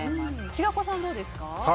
平子さん、どうですか？